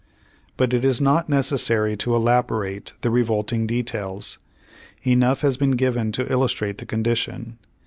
But it is not necessary to elaborate the revolting details. Enough has been given to illustrate the condition.